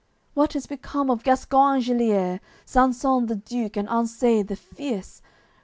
What is become of Gascon Engelier, Sansun the Duke and Anseis the fierce?